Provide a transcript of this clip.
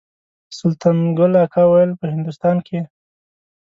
سلطان ګل اکا ویل په هندوستان کې.